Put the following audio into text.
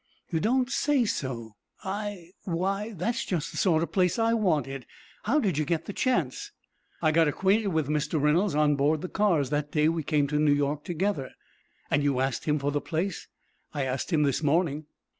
"You don't say so I. Why, that's just the sort of place I wanted. How did you get the chance?" "I got acquainted with Mr. Reynolds on board the cars that day we came to New York together." "And you asked him for the place?" "I asked him this morning."